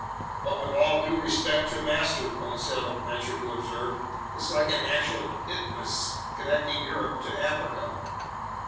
"But with all due respect to master," Conseil ventured to observe, "it's like an actual isthmus connecting Europe to Africa."